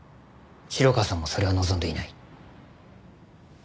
城川さんもそれを望んでいない。